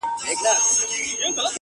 عشق مي خوی عشق مي مسلک عشق مي عمل دی،